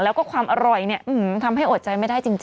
แล้วก็ความอร่อยเนี่ยทำให้อดใจไม่ได้จริง